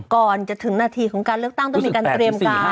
ก่อนจะถึงนาทีของการเลือกตั้งต้องมีการเตรียมการ